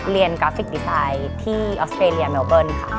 กราฟิกดีไซน์ที่ออสเตรเลียเมลเบิ้ลค่ะ